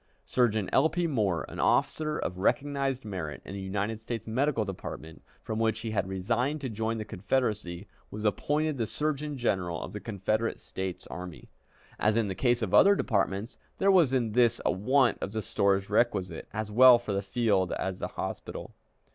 Surgeon L. P. Moore, an officer of recognized merit in the United States Medical Department, from which he had resigned to join the Confederacy, was appointed the Surgeon General of the Confederate States Army. As in the case of other departments, there was in this a want of the stores requisite, as well for the field as the hospital.